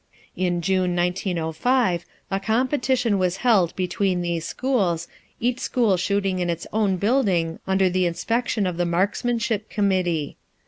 In June, 1905, a competition was held between these schools, each school shooting in its own building under the inspection of the "marksmanship committee."